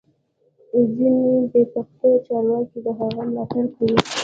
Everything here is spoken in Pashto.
ځینې بې پښتو چارواکي د هغه ملاتړ کوي